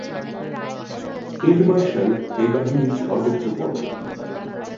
Field marshal এই বাহিনীর সর্বোচ্চ পদ।